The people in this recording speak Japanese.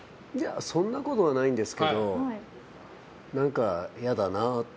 そんなことはないんですけど何か嫌だなって。